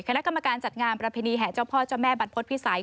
คณะกรรมการจัดงานประเพณีแห่เจ้าพ่อเจ้าแม่บรรพฤษภิษัย